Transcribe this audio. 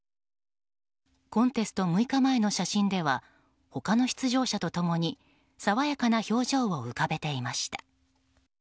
コンテスト６日前の写真では他の出場者と共に爽やかな表情を浮かべていました。